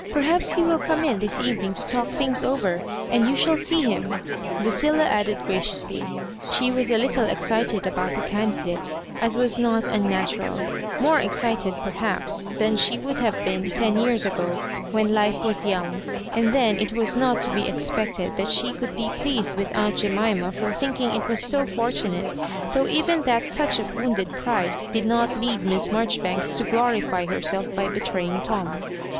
Perhaps he will come in this evening to talk things over, and you shall see him," Lucilla added, gradouedy. She was a little excited about Ijie candidate, as was not unna tural ^ore excited, perhaps, than she would have been ten years ago, when life 'Was young ; and then it was not to be expected that she Digitized by VjOOQIC MISS MABJORIBANKa 129 could be pleased with aunt Jemima for thinking it was so fortunate ; though even that touch of wounded pride did not lead Miss Marjoribanks to glorify herself by betraying Tom.